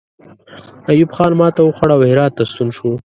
ایوب خان ماته وخوړه او هرات ته ستون شو.